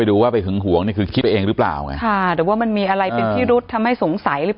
เม้าออกนอกอ่ะเม้าออกออกนอกแล้วไม่นั่งเม้าอยู่นี่เลย